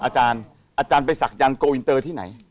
อเจมส์อาจารย์ไปผ่านยานโกวินเตอร์ที่ไหน